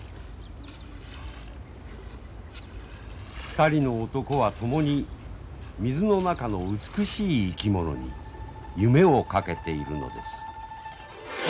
２人の男はともに水の中の美しい生き物に夢を懸けているのです。